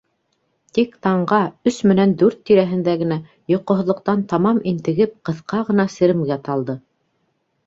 Тик таңға, өс менән дүрт тирәһендә генә, йоҡоһоҙлоҡтан тамам интегеп, ҡыҫҡа ғына серемгә талды.